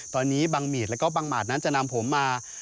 ตอนนี้บังหมีดแล้วก็บังหมาดนั้นจะนำผมมา